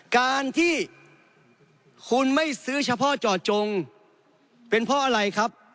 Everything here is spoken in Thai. การที่คุณไม่ซื้อเฉพาะเจาะจงเป็นเพราะอะไรครับ